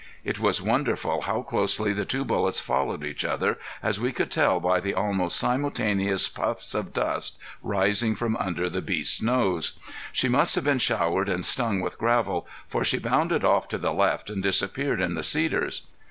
It was wonderful how closely the two bullets followed each other, as we could tell by the almost simultaneous puffs of dust rising from under the beast's nose. She must have been showered and stung with gravel, for she bounded off to the left and disappeared in the cedars.